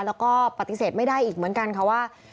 แล้วก็ปฏิเสธไม่ได้อีกเหมือนกันค่ะว่า